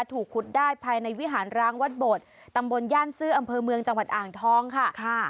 ถูกขุดได้ภายในวิหารร้างวัดโบดตำบลย่านซื้ออำเภอเมืองจังหวัดอ่างทองค่ะ